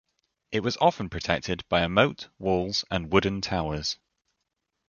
It was often protected by a moat, walls, and wooden towers.